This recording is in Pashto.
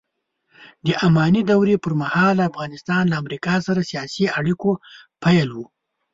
د اماني دورې پرمهال افغانستان له امریکا سره سیاسي اړیکو پیل و